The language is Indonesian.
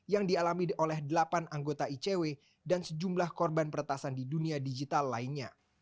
yang dialami oleh delapan anggota icw dan sejumlah korban peretasan di dunia digital lainnya